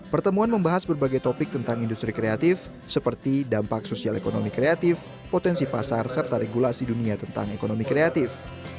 pertemuan membahas berbagai topik tentang industri kreatif seperti dampak sosial ekonomi kreatif potensi pasar serta regulasi dunia tentang ekonomi kreatif